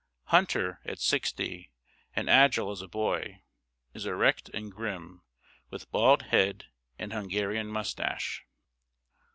Hunter, at sixty, and agile as a boy, is erect and grim, with bald head and Hungarian mustache.